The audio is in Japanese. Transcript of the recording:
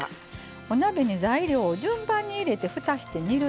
お鍋に材料を順番に入れてふたして煮るだけ。